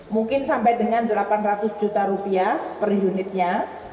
mungkin sampai dengan delapan ratus juta rupiah per unitnya